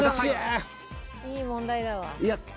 いい問題だわ。